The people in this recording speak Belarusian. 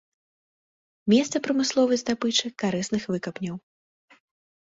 Месца прамысловай здабычы карысных выкапняў.